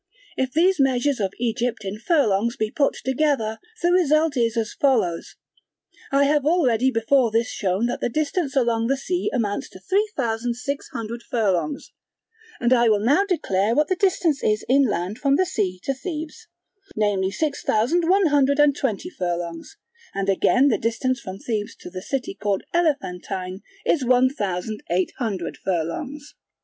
If these measures of Egypt in furlongs be put together, the result is as follows: I have already before this shown that the distance along the sea amounts to three thousand six hundred furlongs, and I will now declare what the distance is inland from the sea to Thebes, namely six thousand one hundred and twenty furlongs: and again the distance from Thebes to the city called Elephantine is one thousand eight hundred furlongs.